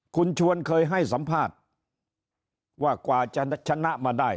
คุณชวนเคยให้สัมภาษณ์ว่ากว่าจะชนะมาได้